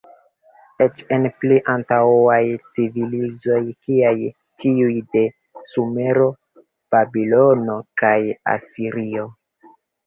Eĉ en pli antaŭaj civilizoj kiaj tiuj de Sumero, Babilono kaj Asirio.